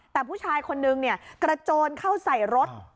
แต่ผู้ชายคนนึงกระโจนเข้าใส่รถ